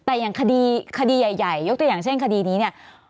แต่อย่างคดีใหญ่ยกตัวอย่างเช่นคดีนี้เนี่ย